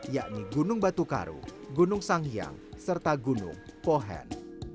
yakni gunung batu karu gunung sang hyang serta gunung pohen